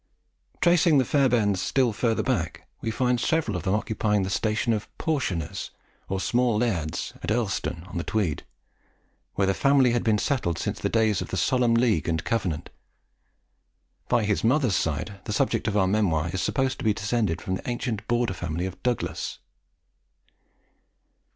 Tracing the Fairbairns still further back, we find several of them occupying the station of "portioners," or small lairds, at Earlston on the Tweed, where the family had been settled since the days of the Solemn League and Covenant. By his mother's side, the subject of our memoir is supposed to be descended from the ancient Border family of Douglas.